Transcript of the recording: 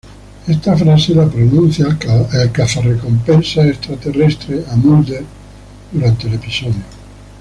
Esta frase es pronunciada por el cazarrecompensas extraterrestre a Mulder durante el episodio.